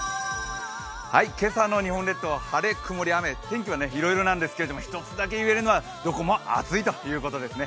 今朝の日本列島は晴れ、曇り、雨天気はいろいろんなんですけど１つだけ言えることは、どこも暑いということですね。